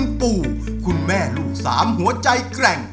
คุณปู่คุณแม่ลูก๓หัวใจแกร่ง